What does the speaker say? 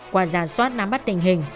qua giả soát nắm bắt tình hình